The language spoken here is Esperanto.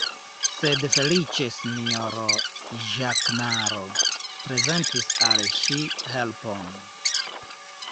Sed feliĉe sinjoro Ĵakemaro prezentis al ŝi helpon.